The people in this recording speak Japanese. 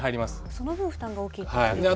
その分負担が大きいというわけですね。